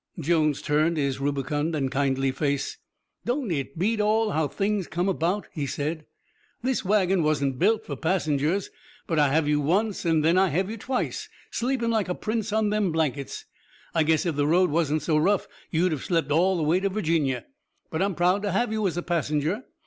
Jones turned his rubicund and kindly face. "Don't it beat all how things come about?" he said. "This wagon wasn't built for passengers, but I have you once and then I have you twice, sleepin' like a prince on them blankets. I guess if the road wasn't so rough you'd have slept all the way to Virginia. But I'm proud to have you as a passenger.